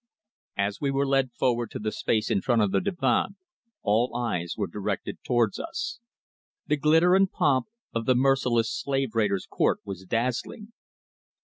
AS we were led forward to the space in front of the divan all eyes were directed towards us. The glitter and pomp of the merciless slave raider's court was dazzling.